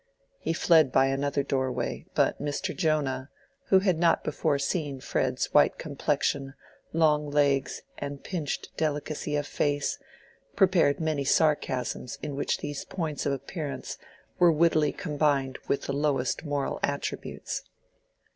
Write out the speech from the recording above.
He fled by another doorway, but Mr. Jonah, who had not before seen Fred's white complexion, long legs, and pinched delicacy of face, prepared many sarcasms in which these points of appearance were wittily combined with the lowest moral attributes.